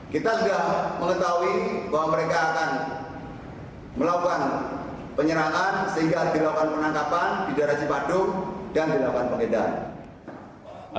kita sudah mengetahui bahwa mereka akan melakukan penyerangan sehingga dilakukan penangkapan di daerah cipadu dan dilakukan penggedaan